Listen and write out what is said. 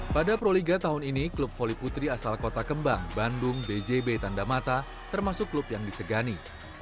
pada proliga tahun ini klub voli putri asal kota kembang bandung bjb tandamata termasuk klub yang disegani